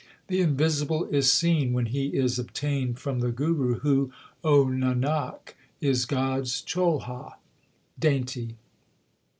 The Invisible is seen when He is obtained from the Guru, who, O Nanak, is God s cholha (dainty).